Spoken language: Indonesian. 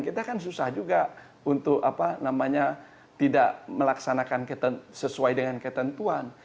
kita kan susah juga untuk tidak melaksanakan sesuai dengan ketentuan